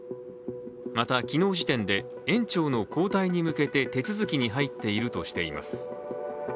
また、昨日時点で園長の交代に向けて手続に入っているとしています。